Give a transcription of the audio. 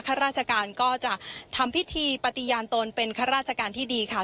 ข้าราชการก็จะทำพิธีปฏิญาณตนเป็นข้าราชการที่ดีค่ะ